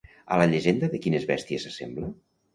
A la llegenda de quines bèsties s'assembla?